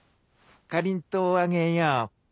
かりんとうあげよう。